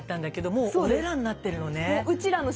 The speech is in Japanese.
もう「おれら」になってるのね。